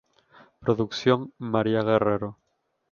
Producción: María Guerrero.